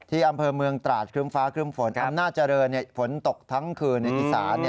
ที่อำเภอเมืองตราดครึ้มฟ้าครึ่มฝนอำนาจเจริญฝนตกทั้งคืนในอีสาน